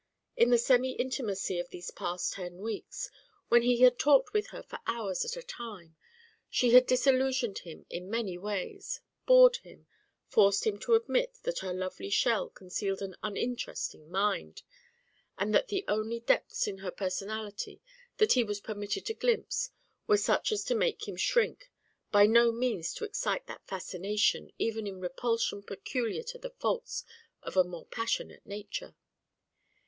In the semi intimacy of these past ten weeks, when he had talked with her for hours at a time, she had disillusioned him in many ways, bored him, forced him to admit that her lovely shell concealed an uninteresting mind, and that the only depths in her personality that he was permitted to glimpse were such as to make him shrink, by no means to excite that fascination even in repulsion peculiar to the faults of a more passionate nature.